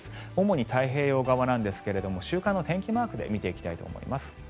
主に太平洋側なんですが週間の天気マークで見ていきたいと思います。